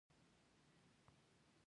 جانداد د خوندیتوب حس ورکوي.